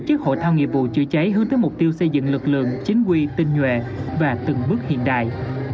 tổ chức hội thao nghiệp vụ chữa cháy hướng tới mục tiêu xây dựng lực lượng chính quy tinh nhuệ và từng bước hiện đại